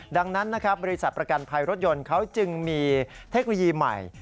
ดังนั้นนะครับบริษัทประกันภัยรถยนต์เขาจึงมีเทคโนโลยีใหม่